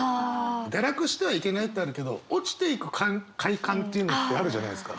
堕落してはいけないってあるけど堕ちていく快感っていうのってあるじゃないですか。